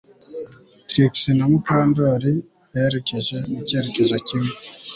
Trix na Mukandoli berekeje mu cyerekezo kimwe